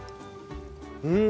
うん。